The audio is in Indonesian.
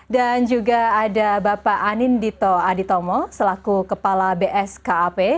dan juga ada bapak anindito aditomo selaku kepala bskap